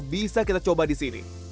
bisa kita coba di sini